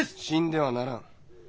死んではならん。